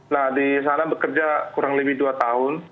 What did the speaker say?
nah di sana bekerja kurang lebih dua tahun